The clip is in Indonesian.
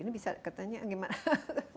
ini bisa ketanya gimana